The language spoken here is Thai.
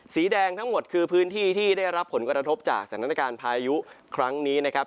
สีแดงทั้งหมดคือพื้นที่ที่ได้รับผลกระทบจากสถานการณ์พายุครั้งนี้นะครับ